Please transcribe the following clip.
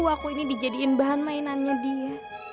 aku ini dijadikan bahan mainannya dia